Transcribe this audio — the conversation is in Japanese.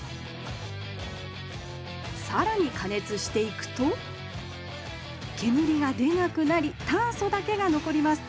さらにかねつしていくと煙がでなくなり炭素だけがのこります。